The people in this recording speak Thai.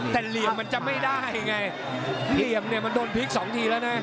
แต่เหลี่ยมมันจะไม่ได้ไงเหลี่ยมเนี่ยมันโดนพลิกสองทีแล้วนะ